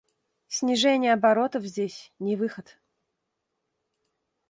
Снижение оборотов здесь — не выход.